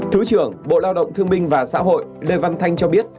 thứ trưởng bộ lao động thương minh và xã hội lê văn thanh cho biết